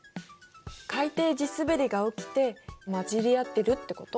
海底地すべりが起きて混じり合ってるってこと？